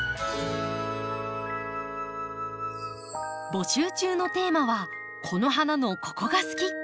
募集中のテーマは「この花のここが好き！」。